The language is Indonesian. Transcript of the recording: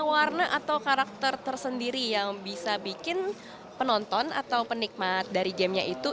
warna atau karakter tersendiri yang bisa bikin penonton atau penikmat dari gamenya itu